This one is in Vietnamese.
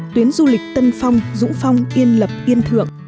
tuyến du lịch tân phong dũng phong yên lập yên thượng